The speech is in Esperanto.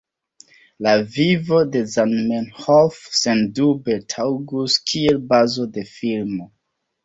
La vivo de Zamenhof sendube taŭgus kiel bazo de filmo.